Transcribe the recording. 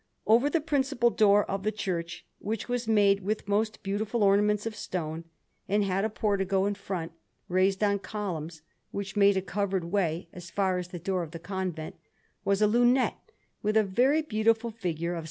Over the principal door of the church which was made with most beautiful ornaments of stone, and had a portico in front raised on columns, which made a covered way as far as the door of the convent was a lunette with a very beautiful figure of S.